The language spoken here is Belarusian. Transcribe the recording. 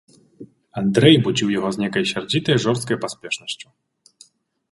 Андрэй будзіў яго з нейкай сярдзітай жорсткай паспешнасцю.